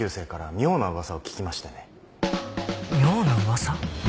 妙な噂？